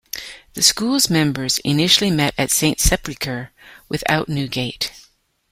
The School's members initially met at St Sepulchre-without-Newgate.